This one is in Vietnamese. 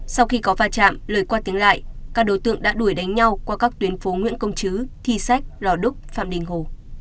sau khi có va chạm lời qua tiếng lại các đối tượng đã đuổi đánh nhau qua các tuyến phố nguyễn công chứ thi sách lò đúc phạm đình hồ